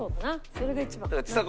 それが一番かな。